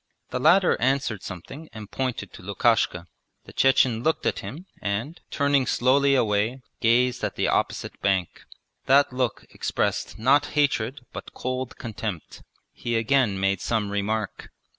The latter answered something and pointed to Lukashka. The Chechen looked at him and, turning slowly away, gazed at the opposite bank. That look expressed not hatred but cold contempt. He again made some remark.